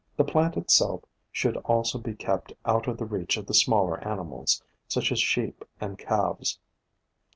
The plant itself should also be kept out of the reach of the smaller animals, such as sheep and calves.